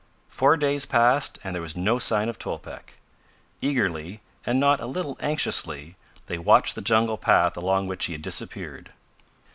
Four days passed and there was no sign of Tolpec. Eagerly, and not a little anxiously, they watched the jungle path along which he had disappeared.